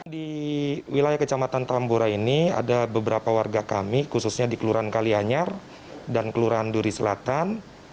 di wilayah kecamatan tambora ini ada beberapa warga kami khususnya di kelurahan kalianyar dan kelurahan duri selatan